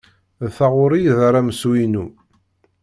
D taɣuri i d aramsu-inu.